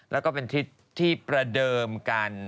แล้วก็เป็นทิศที่ประเดิมกัน